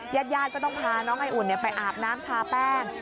ญาติญาติก็ต้องพาน้องไออุ่นไปอาบน้ำทาแป้ง